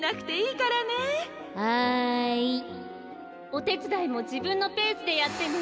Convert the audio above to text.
おてつだいもじぶんのペースでやってね。